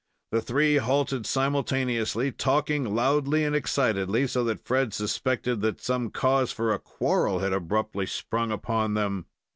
The three halted simultaneously, and talked loudly and excitedly, so that Fred suspected that some cause for a quarrel had abruptly sprung upon them.